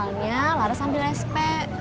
akhirnya laras ambil sp